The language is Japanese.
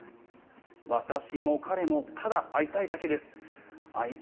私も彼もただ会いたいだけです。